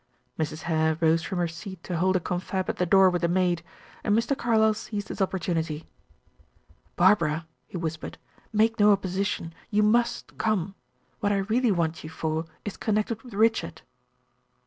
Mrs. Hare rose from her seat to hold a confab at the door with the maid; and Mr. Carlyle seized his opportunity. "Barbara," he whispered, "make no opposition. You must come. What I really want you for is connected with Richard."